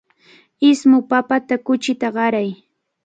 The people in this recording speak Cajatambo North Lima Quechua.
Ismu papata kuchita qaray.